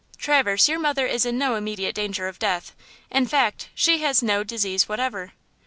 "Traverse, your mother is in no immediate danger of death; in fact, she has no disease whatever."